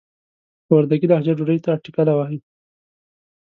په وردګي لهجه ډوډۍ ته ټکله وايي.